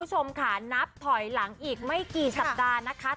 คุณผู้ชมค่ะนับถอยหลังอีกไม่กี่สัปดาห์นะคะ